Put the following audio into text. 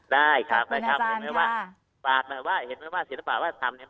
ได้ค่ะครับฟาดมาว่าเห็นไหมว่าศิลปะว่าทำเนี้ย